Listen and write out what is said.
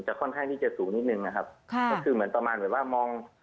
ค่อนข้างที่จะสูงนิดนึงนะครับค่ะก็คือเหมือนประมาณแบบว่ามอง